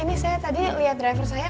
ini saya tadi lihat driver saya